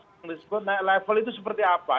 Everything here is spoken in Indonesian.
yang disebut naik level itu seperti apa